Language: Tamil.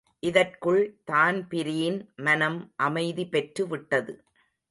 இதற்குள் தான்பிரீன் மனம் அமைதி பெற்று விட்டது.